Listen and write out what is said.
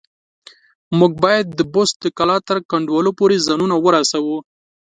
موږ بايد د بست د کلا تر کنډوالو پورې ځانونه ورسوو.